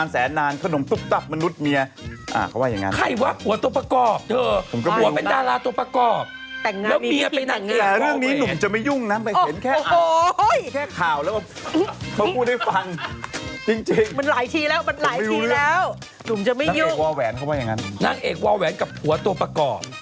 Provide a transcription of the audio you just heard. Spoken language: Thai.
แต่นางเอกวาวแหวนไข้วัดกับผัวตัวประกอบ